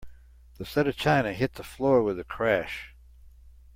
The set of china hit the floor with a crash.